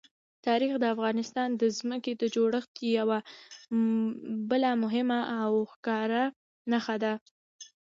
تاریخ د افغانستان د ځمکې د جوړښت یوه بله مهمه او ښکاره نښه ده.